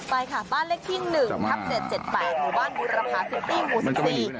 ไปค่ะบ้านเลขที่๑ทัพเศษ๗๘หมู่บ้านบุรพาซิปปี้อุศิษย์